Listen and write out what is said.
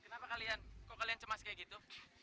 kenapa kalian kok kalian cemas kayak gitu